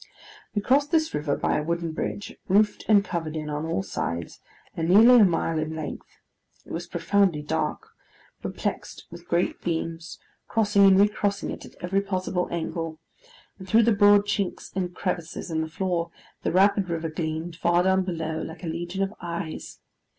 We crossed this river by a wooden bridge, roofed and covered in on all sides, and nearly a mile in length. It was profoundly dark; perplexed, with great beams, crossing and recrossing it at every possible angle; and through the broad chinks and crevices in the floor, the rapid river gleamed, far down below, like a legion of eyes.